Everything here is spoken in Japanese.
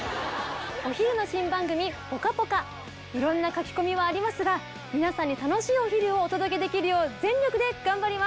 お昼の新番組『ぽかぽか』いろんな書き込みはありますが皆さんに楽しいお昼をお届けできるよう全力で頑張ります。